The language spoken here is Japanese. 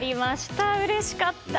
うれしかった！